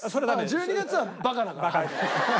１２月はバカだから入るのは。